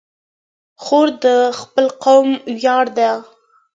خور د خپل قوم ویاړ ده.